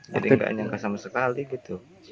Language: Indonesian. jadi gak sama sekali gitu